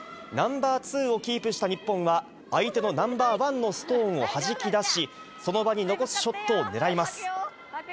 ナンバーツーをキープした日本は、相手のナンバーワンのストーンをはじき出し、その場に残すショットをねらいます。